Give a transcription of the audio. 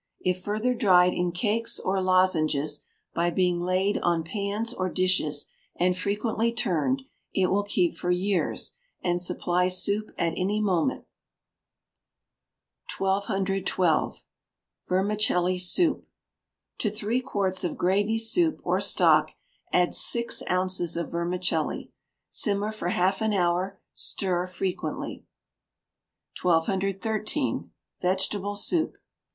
If further dried in cakes or lozenges, by being laid on pans or dishes, and frequently turned, it will keep for years, and supply soup at any moment. 1212. Vermicelli Soup. To three quarts of gravy soup, or stock, add six ounces of vermicelli. Simmer for half an hour; stir frequently. 1213. Vegetable Soup.